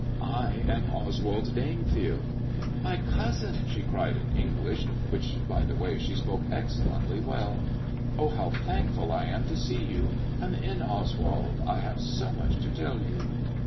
" I am Oswald Danefield." " My cousin ]" she cried in English, which, by the way, she spoke excellently well. " Oh, how thankful I am to see you ! Come in, Oswald ; I have so much to tell you."